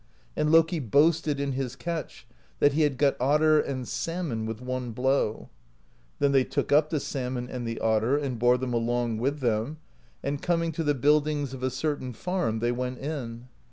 And Loki boasted in his catch, that he had got otter and salmon with one blow. Then they took up the salmon and the otter and bore them along with them, and coming to the buildings of a certain farm, they went in.